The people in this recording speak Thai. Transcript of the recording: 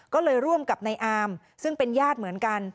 ก็เลยร่วมกับในอามซึ่งเป็นญาติเหมือนกัน